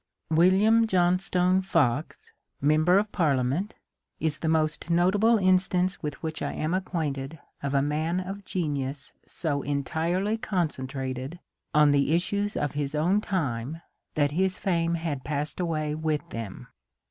William Johnstone Fox, M. P., is the most notable instance with which I am acquainted of a man of genius so entirely concentrated on the issues of his own time that his fame had passed away with them.